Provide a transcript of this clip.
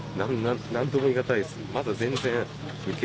何とも言い難いです。